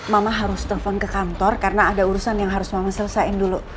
mama harus telpon ke kantor karena ada urusan yang harus mama selesai dulu